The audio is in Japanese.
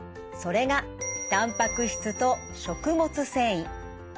それがたんぱく質と食物繊維。